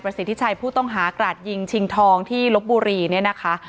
สิทธิชัยผู้ต้องหากราดยิงชิงทองที่ลบบุรีเนี่ยนะคะ